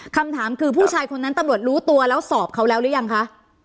คำถามคือผู้ชายคนนั้นตำรวจรู้ตัวแล้วสอบเขาแล้วหรือยังคะ